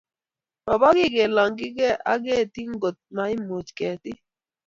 mabo kiy kelanygei ak kerti ngot ko maimuch ketik